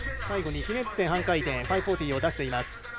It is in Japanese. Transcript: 最後にひねって半回転５４０を出しています。